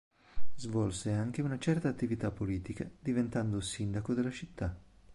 Svolse anche una certa attività politica diventando sindaco della città.